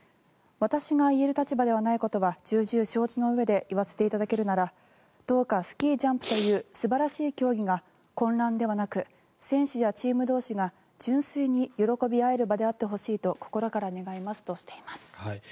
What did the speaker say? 私が言える立場ではないことは重々承知のうえで言わせていただけるならどうかスキージャンプという素晴らしい競技が混乱ではなく選手やチーム同士が純粋に喜び合える場であってほしいと心から願いますとしています。